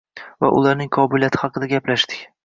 va ularning qobiliyati haqida gaplashdik.